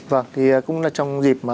vâng thì cũng là trong dịp